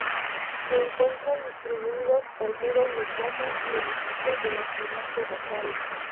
Se encuentran distribuidos por muros de casas y edificios de la ciudad de Rosario.